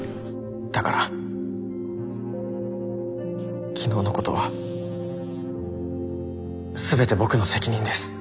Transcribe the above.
だから昨日のことは全て僕の責任です。